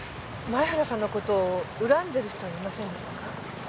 前原さんの事を恨んでる人はいませんでしたか？